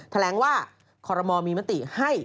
แถลงว่าคอรมอลมีมติให้